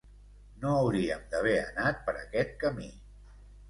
No hauríem d'haver anat per aquest camí.